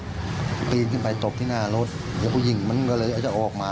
ตอนแรกอะตบบนรถปีนขึ้นไปตบที่หน้ารถเดี๋ยวผู้หญิงมันก็เลยจะออกมา